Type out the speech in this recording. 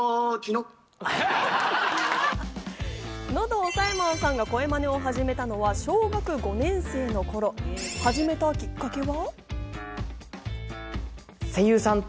喉押さえマンさんが声まねを始めたのは小学５年生の頃、始めたきっかけは。